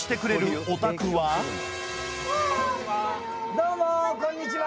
どうもこんにちは！